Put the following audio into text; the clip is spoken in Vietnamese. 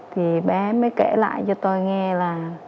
thì bé mới kể lại cho tôi nghe là